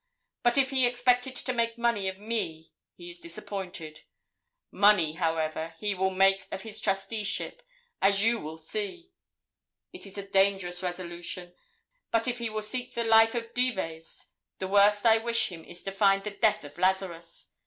But if he expected to make money of me, he is disappointed. Money, however, he will make of his trusteeship, as you will see. It is a dangerous resolution. But if he will seek the life of Dives, the worst I wish him is to find the death of Lazarus.